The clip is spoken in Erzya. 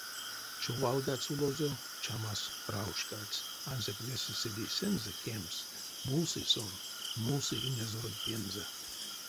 Човалгадсь улозо, чамас раужкадсь, ансяк весе седейсэнзэ кемсь — мусы сон, мусы инязоронть пензэ.